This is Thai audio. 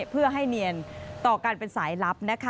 เพื่อให้เนียนต่อการเป็นสายลับ